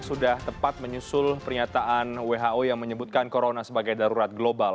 sudah tepat menyusul pernyataan who yang menyebutkan corona sebagai darurat global